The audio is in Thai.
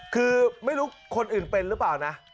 คือไม่รู้คนอื่นเป็นหรือเปล่านะ